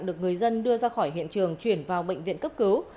được người dân đưa ra khỏi hiện trường chuyển vào bệnh viện cấp cứu